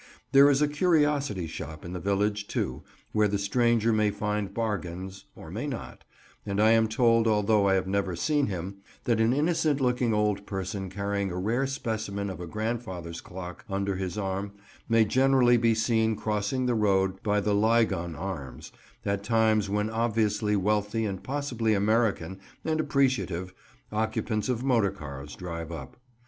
There is a curiosity shop in the village, too, where the stranger may find bargains, or may not; and I am told—although I have never seen him—that an innocent looking old person carrying a rare specimen of a grandfather's clock under his arm may generally be seen crossing the road by the "Lygon Arms," at times when obviously wealthy, and possibly American and appreciative, occupants of motorcars drive up.